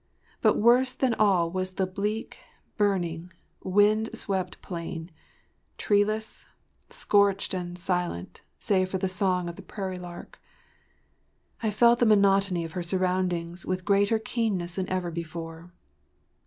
But worse than all was the bleak, burning, wind swept plain—treeless, scorched and silent save for the song of the prairie lark. I felt the monotony of her surroundings with greater keenness than ever before.